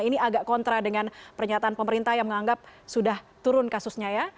ini agak kontra dengan pernyataan pemerintah yang menganggap sudah turun kasusnya ya